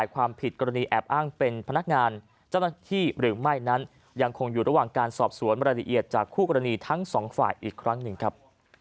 ขอบคุณครับ